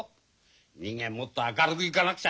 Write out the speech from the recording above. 人間もっと明るくいかなくちゃ。